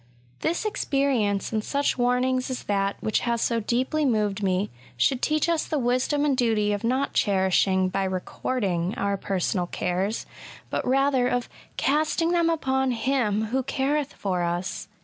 This experience, and such warnings as that which has so deeply moved me, should teach us the wisdom and duty of not cherishing — by recording — our personal cares, but rather of "casting them upon Him who careth for us.''